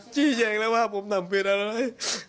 จริงแหละว่าผมทำผิดอะไร